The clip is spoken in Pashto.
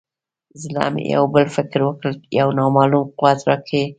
زړه مې یو بل فکر وکړ یو نامعلوم قوت راکې پیدا شو.